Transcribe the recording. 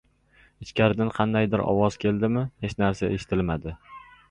Ichkaridan qandaydir ovoz keldimi? Hech narsa eshitilmadi